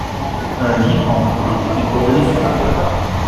Un livre en train était posé dessus